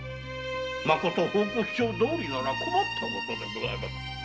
まこと報告書どおりなら困ったことでございます。